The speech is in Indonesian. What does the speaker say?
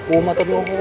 hukum atur dulu